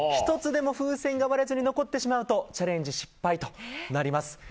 １つでも風船が割れずに残ってしまうとチャレンジ失敗となります。